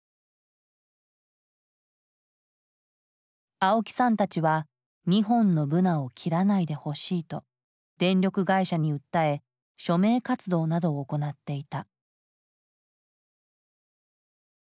青木さんたちは２本のブナを切らないでほしいと電力会社に訴え署名活動などを行っていた。